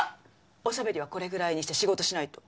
お喋りはこれぐらいにして仕事しないと。